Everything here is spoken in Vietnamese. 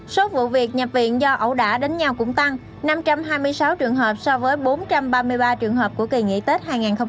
số vụ việc nhập viện do ẩu đả đánh nhau cũng tăng năm trăm hai mươi sáu trường hợp so với bốn trăm ba mươi ba trường hợp của kỳ nghỉ tết hai nghìn hai mươi ba